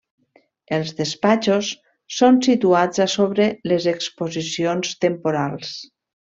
Els despatxos són situats a sobre les exposicions temporals.